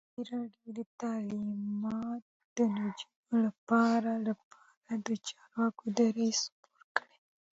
ازادي راډیو د تعلیمات د نجونو لپاره لپاره د چارواکو دریځ خپور کړی.